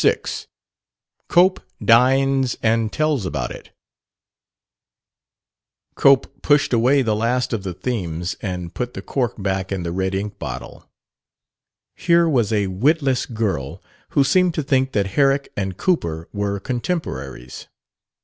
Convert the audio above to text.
6 COPE DINES AND TELLS ABOUT IT Cope pushed away the last of the themes and put the cork back in the red ink bottle. Here was a witless girl who seemed to think that Herrick and Cowper were contemporaries.